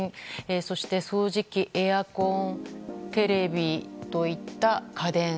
そして掃除機、エアコンテレビといった家電。